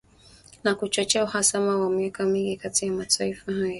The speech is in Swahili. Na kuchochea uhasama wa miaka mingi kati ya mataifa hayo.